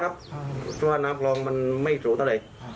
เพราะว่าน้ำคลองมันไม่สูงเท่าไหร่